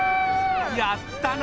やったな！